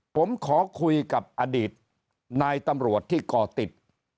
ผมขอคุยกับอดีตนายตำรวจที่ก่อติด